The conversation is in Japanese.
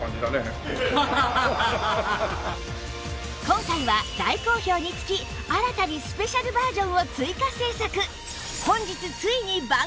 今回は大好評につき新たにスペシャルバージョンを追加製作！